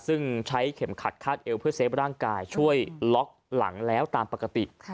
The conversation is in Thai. ซึ่งใช้เข็มขัดคาดเอวเพื่อเซฟร่างกายช่วยล็อกหลังแล้วตามปกติ